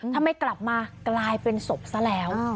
ทำไมกลับมากลายเป็นศพซะแล้ว